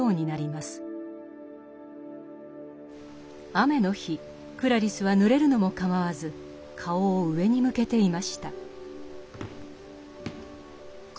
雨の日クラリスはぬれるのも構わず顔を上に向けていました。